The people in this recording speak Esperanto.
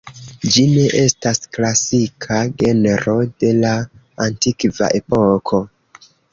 Ĝi ne estas klasika genro de la antikva epoko.